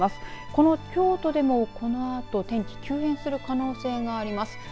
この京都でもこのあと天気、急変する可能性があります。